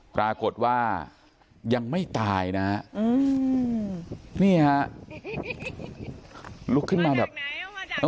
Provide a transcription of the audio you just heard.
ปรากฏว่ายังไม่ตายนะเนี่ยลุกขึ้นมาแบบบกมงบกมือ